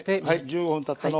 １５分たったのを。